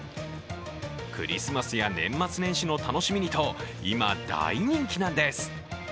クリスマスや年末年始の楽しみにと今、大人気なんです。